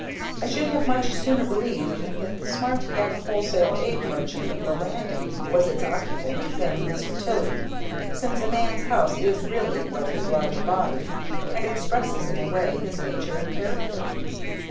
I should have much sooner believed that the smart young wholesale egg merchant of the Landing was its occupant than Mr. Tilley, since a man's house is really but his larger body, and expresses in a way his nature and character.